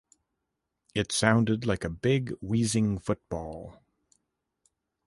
It sounded like a big wheezing football.